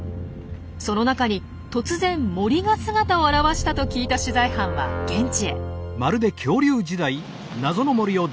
その中に突然森が姿を現したと聞いた取材班は現地へ。